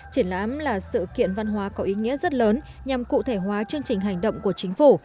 triển lãm là sự kiện văn hóa có ý nghĩa rất lớn nhằm cụ thể hóa chương trình hành động của chính phủ